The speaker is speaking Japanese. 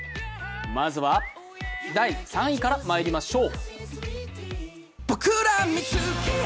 まずは第３位からまいりましょう。